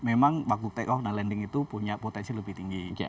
memang waktu take off nah landing itu punya potensi lebih tinggi